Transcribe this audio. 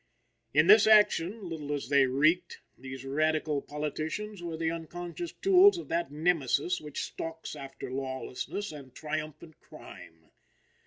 _ In this action, little as they reeked, these radical politicians were the unconscious tools of that Nemesis which stalks after lawlessness and triumphant crime.